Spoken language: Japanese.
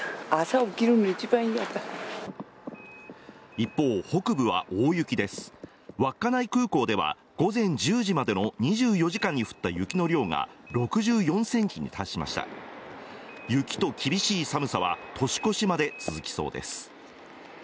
一方北部は大雪です稚内空港では午前１０時までの２４時間に降った雪の量が６４センチに達しました雪と厳しい寒さは年越しまで続きそうです